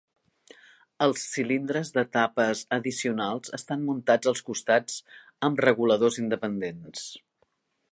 Els cilindres d'etapes addicionals estan muntats als costats amb reguladors independents.